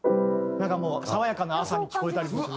なんかもう爽やかな朝に聞こえたりもするし。